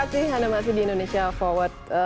terima kasih anda masih di indonesia forward